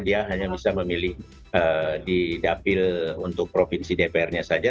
dia hanya bisa memilih di dapil untuk provinsi dpr nya saja